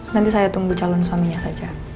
nanti saya tunggu calon suaminya saja